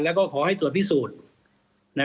แล้วก็ขอให้ตรวจพิสูจน์